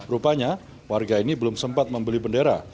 rupanya warga ini belum sempat membeli bendera